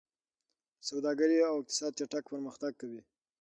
سوداګري او اقتصاد چټک پرمختګ کوي.